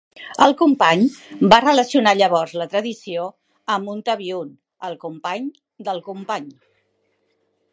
El company va relacionar llavors la tradició amb un Tabi'un, el company del company.